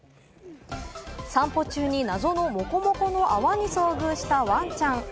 散歩中に謎のモコモコの泡に遭遇したワンちゃん。